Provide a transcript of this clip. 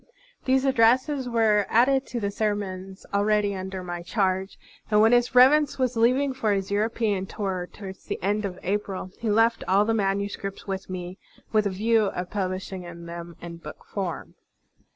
These addresses were added to the ser mons already tinder my charge, and when His Reverence was leaving for his European tour towards the end of April, he left all the manu scripts with me with a view of publishing them in book form.